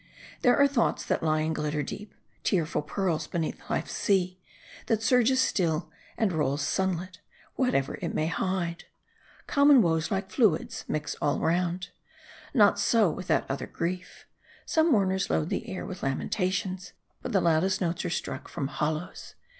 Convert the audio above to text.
There are thoughts that lie and glitter deep : tearful pearls beneath life's sea, that surges still, and rolls sunlit, whatever it may hide. . Common woes, like fluids, mix all round. Not so with that other grief. Some mourners load the air with lamentations ; but the loudest notes are struck from hollows.